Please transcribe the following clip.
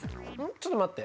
ちょっと待って。